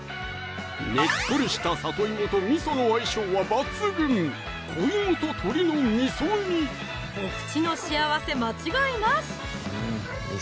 ねっとりした里芋と味の相性は抜群お口の幸せ間違いなし！